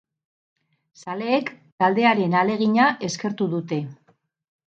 Zaleek taldearen ahalegina eskertu dute.